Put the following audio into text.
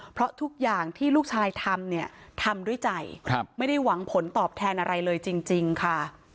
เพราะทุกอย่างที่ลูกชายทำเนี่ยทำทำด้วยใจไม่ได้หวังผลตอบแทนอะไรเลยจริงค่ะ